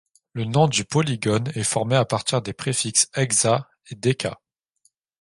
Le nom du polygone est formé à partir des préfixes hexa et déca.